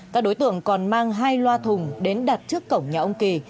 các đối tượng còn mang hai loa thùng đến đặt trước cổng nhà ông kỳ